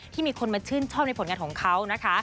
มีคนมาชื่นชอบในผลงานของเขานะคะ